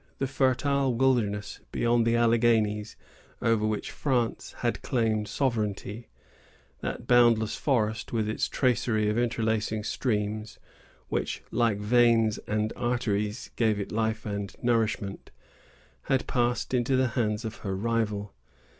The fertile wilderness beyond the Alleghanies, over which France had claimed sovereignty,——that boundless forest, with its tracery of interlacing streams, which, like veins and arteries, gave it life and nourishment,——had passed into the hands of her rival.